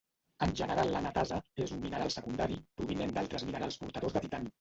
En general l'anatasa és un mineral secundari, provinent d'altres minerals portadors de titani.